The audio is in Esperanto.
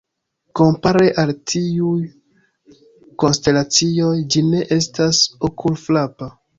Kompare al tiuj konstelacioj ĝi ne estas okulfrapa.